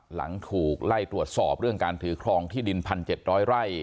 หลังถูกไล่ตรวจสอบเรื่องการถือคลองที่ดินพันเจ็ดร้อยไร่